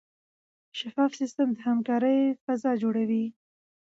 شفاف سیستم د همکارۍ فضا جوړوي.